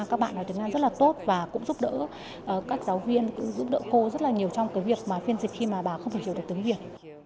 các bạn nói tiếng nga rất là tốt và cũng giúp đỡ các giáo viên giúp đỡ cô rất là nhiều trong cái việc phiên dịch khi mà bà không thể hiểu được tiếng việt